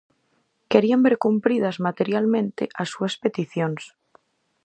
Quería ver cumpridas materialmente as súas peticións.